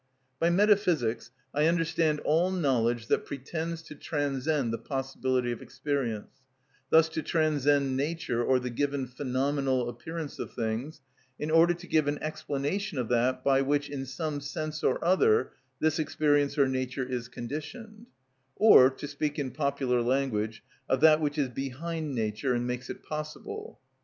By metaphysics I understand all knowledge that pretends to transcend the possibility of experience, thus to transcend nature or the given phenomenal appearance of things, in order to give an explanation of that by which, in some sense or other, this experience or nature is conditioned; or, to speak in popular language, of that which is behind nature, and makes it possible.